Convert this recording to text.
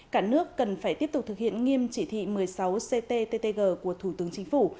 cả nước cần phải tiếp tục thực hiện nghiêm chỉ thị một mươi sáu cttg của thủ tướng chính phủ